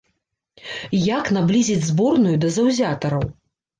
Як наблізіць зборную да заўзятараў.